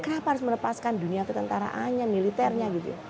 kenapa harus melepaskan dunia ketentaraannya militernya gitu ya